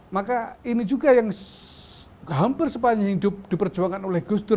maka ini juga yang hampir sepanjang hidup diperjuangkan oleh gus dur